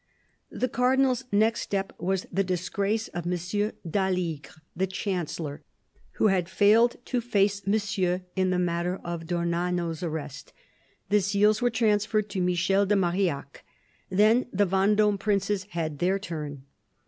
The Cardinal's next step was the disgrace of M. d'Aligre, the Chancellor, who had failed to face Monsieur in the matter of d'Ornano's arrest. The seals were transferred to Michel de Marillac. Then the Vendome princes had their turn.